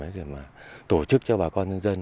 để tổ chức cho bà con dân dân